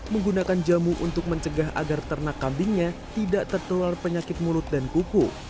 menggunakan jamu untuk mencegah agar ternak kambingnya tidak tertular penyakit mulut dan kuku